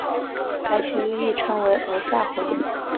该区域亦称为额下回。